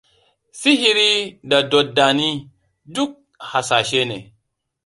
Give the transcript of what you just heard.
Sihiri da dodanni, duk hasashe ne.